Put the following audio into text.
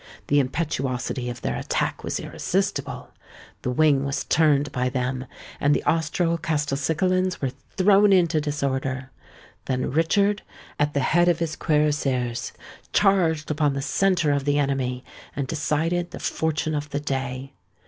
The impetuosity of their attack was irresistible: the wing was turned by them; and the Austro Castelcicalans were thrown into disorder. Then Richard, at the head of his cuirassiers, charged upon the centre of the enemy, and decided the fortune of the day.